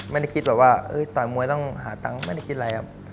ไม่ได้คิดแบบว่าต่อยมวยต้องหาตังค์ไม่ได้คิดอะไรครับ